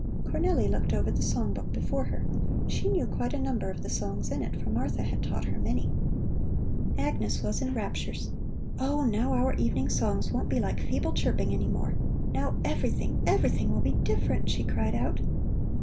Cornelli looked over the song book before her. She knew quite a number of the songs in it, for Martha had taught her many. Agnes was in raptures: "Oh, now our evening songs won't be like a feeble chirping any more; now everything, everything will be different!" she cried out.